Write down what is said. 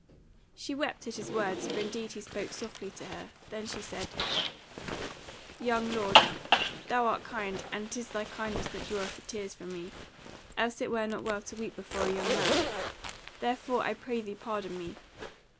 She wept at his words, for indeed he spoke softly to her; then she said: "Young lord, thou art kind, and it is thy kindness that draweth the tears from me; else it were not well to weep before a young man: therefore I pray thee pardon me.